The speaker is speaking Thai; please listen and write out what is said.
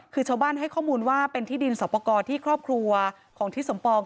คือชาวบ้านให้ข้อมูลว่าเป็นที่ดินสอบประกอบที่ครอบครัวของทิศสมปอง